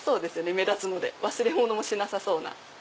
目立つので忘れ物もしなさそう。